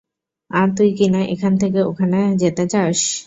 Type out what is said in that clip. আর তুই কি-না এখান থেকে ওখানে যেতে চাস।